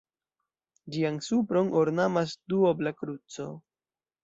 Ĝian supron ornamas duobla kruco.